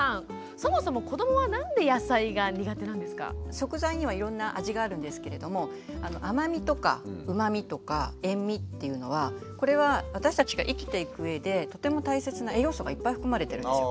食材にはいろんな味があるんですけれども甘味とかうまみとか塩味っていうのはこれは私たちが生きていく上でとても大切な栄養素がいっぱい含まれてるんですよ。